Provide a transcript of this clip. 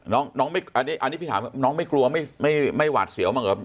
น้องน้องไม่อันนี้อันนี้พี่ถามน้องไม่กลัวไม่ไม่ไม่วาดเสียวเหมือนกับ